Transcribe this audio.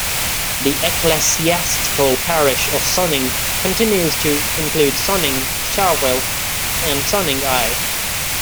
The ecclesiastical parish of Sonning continues to include Sonning, Charvil and Sonning Eye.